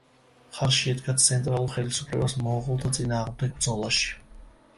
მხარში ედგა ცენტრალურ ხელისუფლებას მონღოლთა წინააღმდეგ ბრძოლაში.